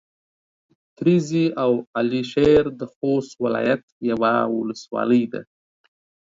تريزي او على شېر د خوست ولايت يوه ولسوالي ده.